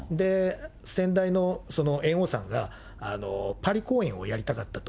仙台の猿翁さんが、パリ公演をやりたかったと。